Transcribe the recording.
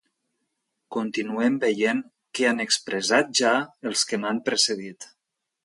Continuem veient què han expressat ja els que m’han precedit.